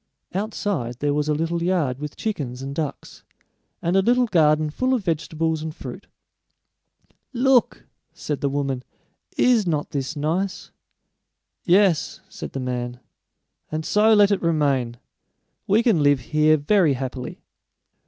Outside there was a little yard with chickens and ducks, and a little garden full of vegetables and fruit. "Look!" said the woman, "is not this nice?" "Yes," said the man; "and so let it remain. We can live here very happily."